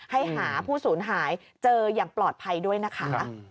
ให้หาผู้สูญหายเจออย่างปลอดภัยด้วยนะคะ